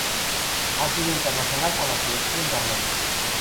Ha sido internacional con la selección de Armenia.